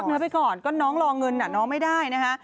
เนื้อไปก่อนก็น้องรอเงินน้องไม่ได้นะคะ